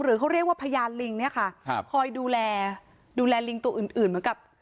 เขาเรียกว่าพยานลิงเนี่ยค่ะครับคอยดูแลดูแลลิงตัวอื่นอื่นเหมือนกับ